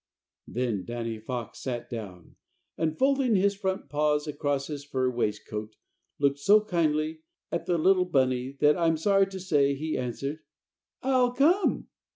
Then Danny Fox sat down and, folding his front paws across his fur waistcoat, looked so kindly at the little bunny that I'm sorry to say he answered, "I'll come!"